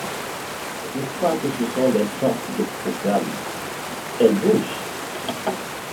Je crois que ce sont des sortes de programmes. Elles bougent.